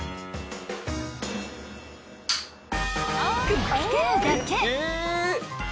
［くっつけるだけ］